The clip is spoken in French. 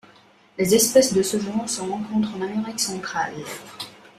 Les espèces de ce genre se rencontrent en Amérique centrale.